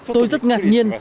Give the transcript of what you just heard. tôi rất ngạc nhiên